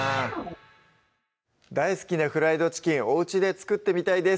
大好きなフライドチキンおうちで作ってみたいです